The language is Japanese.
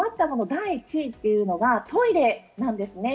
第１位というのがトイレなんですね。